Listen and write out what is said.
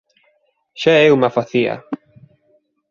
Xa eu me afacía.